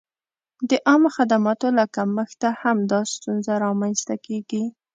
د عامه خدماتو له کمښته هم دا ستونزه را منځته کېږي.